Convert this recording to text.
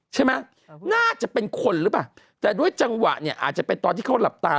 ใช่ไหมน่าจะเป็นคนหรือเปล่าแต่ด้วยจังหวะเนี่ยอาจจะเป็นตอนที่เขาหลับตา